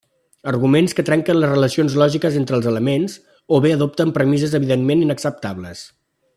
Arguments que trenquen les relacions lògiques entre elements o bé adopten premisses evidentment inacceptables.